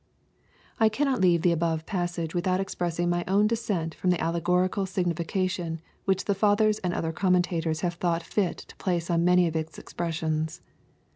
I cannot leave the above passage without expressing my own dissent from the allegorical signification which the Fathers and other commentators have thought fit to place on many of its ex pressions.